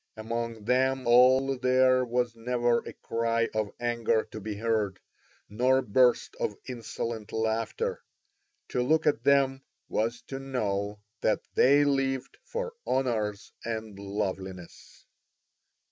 Among them all there was never a cry of anger to be heard, nor a burst of insolent laughter; to look at them was to know that they lived for honour and loveliness.